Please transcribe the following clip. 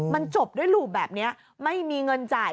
มันจบด้วยรูปแบบนี้ไม่มีเงินจ่าย